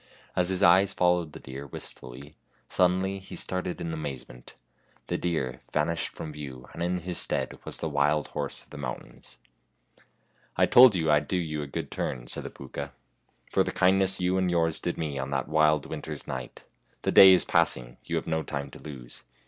As his eyes followed the deer wistfully, suddenly he started in ama/A'ment. The deer vanished from view, and in his stead was the wild horse of the mountains. " I told you I'd do you a good turn," said the 96 FAIRY TALES Pooka, " for the kindness you and yours did me on that wild winter's night. The day is passing. You have no time to lose.